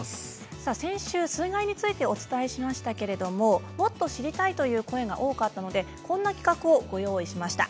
先週、水害についてお伝えしましたけれどももっと知りたいという声が多かったのでこんな企画をご用意しました。